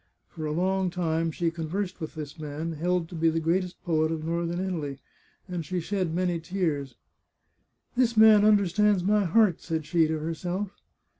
For a long time she con versed with this man, held to be the greatest poet of northern Italy, and she shed many tears. " This man understands my heart," said she to herself.